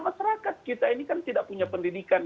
masyarakat kita ini kan tidak punya pendidikan